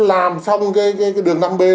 làm xong cái đường năm b